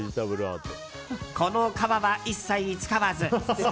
この皮は一切使わず。